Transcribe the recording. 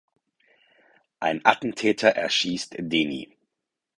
Ein Attentäter erschießt Deni.